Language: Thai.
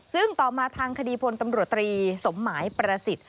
ซึ่งต่อมาทางคดีพลตำรวจตรีสมหมายประสิทธิ์